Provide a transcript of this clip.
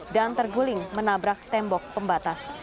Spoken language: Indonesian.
dan terguling menabrak tembok pembatas